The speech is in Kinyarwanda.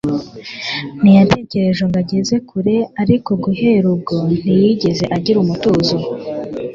Ntiyatekereje ngo ageze kure, ariko guhera ubwo ntiyigeze agira umutuzo.